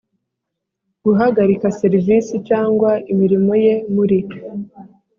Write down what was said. Guhagarika serivisi cyangwa imirimo ye muri